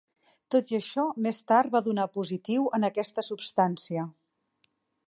Tot i això, més tard van donar positiu en aquesta substància.